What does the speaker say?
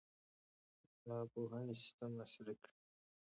د پوهنې سیستم عصري کړئ.